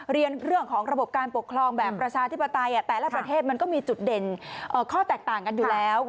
เรียนเรื่องของระบบการปกครองแบบประชาธิปไตยแต่ละประเทศมันก็มีจุดเด่นข้อแตกต่างกันอยู่แล้ว